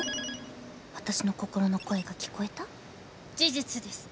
私の心の声が聞こえた？事実です。